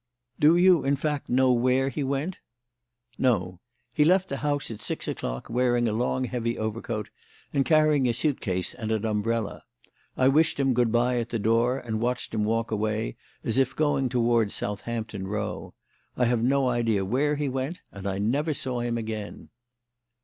"Do you, in fact, know where he went?" "No. He left the house at six o'clock wearing a long, heavy overcoat and carrying a suit case and an umbrella. I wished him 'Good bye' at the door and watched him walk away as if going towards Southampton Row. I have no idea where he went, and I never saw him again."